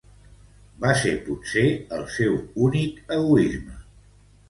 Va ser potser el seu únic egoisme.